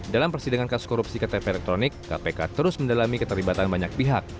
dalam persidangan kasus korupsi ktp elektronik kpk terus mendalami keterlibatan banyak pihak